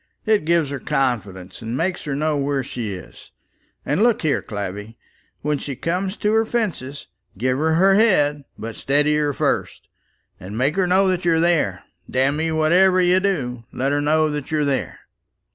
It gives her confidence, and makes her know where she is. And look here, Clavvy, when she comes to her fences, give her her head; but steady her first, and make her know that you're there. Damme; whatever you do, let her know that you're there.